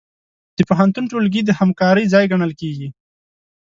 د پوهنتون ټولګي د همکارۍ ځای ګڼل کېږي.